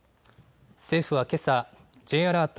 政府はけさＪアラート